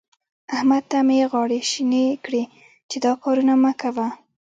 احمد ته مې غاړې شينې کړې چې دا کارونه مه کوه.